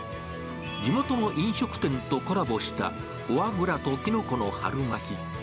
地元の飲食店とコラボしたフォアグラときのこの春巻。